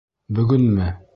Бөгөнмө?